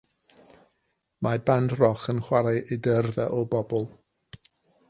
Mae band roc yn chwarae i dyrfa o bobl.